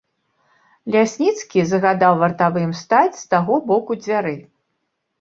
Лясніцкі загадаў вартавым стаць з таго боку дзвярэй.